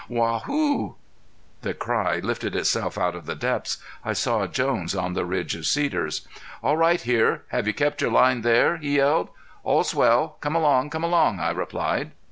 "Waa hoo!" The cry lifted itself out of the depths. I saw Jones on the ridge of cedars. "All right here have you kept your line there?" he yelled. "All's well come along, come along," I replied.